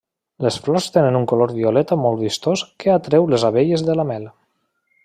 Les flors tenen un color violeta molt vistós que atreu les abelles de la mel.